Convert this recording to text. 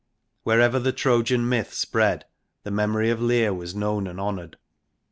Wherever the Trojan myth spread, the memory of Lear was known and honoured.